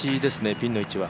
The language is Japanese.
ピンの位置は。